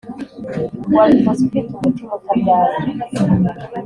wabikoze ufite umutima utaryarya